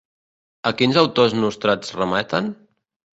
A quins autors nostrats remeten?